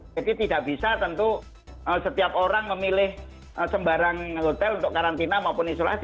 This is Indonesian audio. jadi tidak bisa tentu setiap orang memilih sembarang hotel untuk karantina maupun isolasi